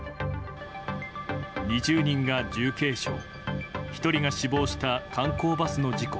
２０人が重軽傷１人が死亡した観光バスの事故。